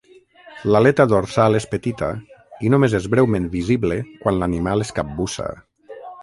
L'aleta dorsal és petita, i només és breument visible quan l'animal es capbussa.